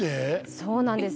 そうなんです